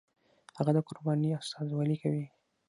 هغه د قربانۍ استازولي کوي.